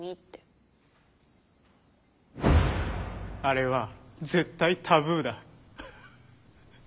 あれは絶対タブーだ。ハハハ。